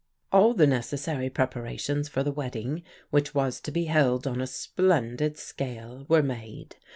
"All the necessary preparations for the wedding, which was to be held on a splendid scale, were made.